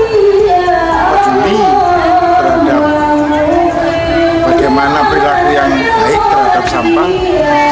masyarakat akhirnya berjumpi terhadap bagaimana berlaku yang baik terhadap sampah